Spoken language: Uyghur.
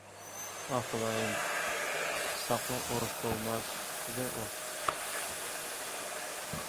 - ئاھ، خۇدايىم ساقلا، ئۇرۇش بولماس...- دېدى ئۇ.